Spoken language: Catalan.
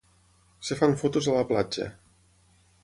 Es fan fotos a la platja.